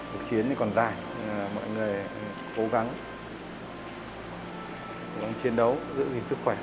cuộc chiến còn dài mọi người cố gắng chiến đấu giữ gìn sức khỏe